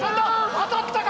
当たったか？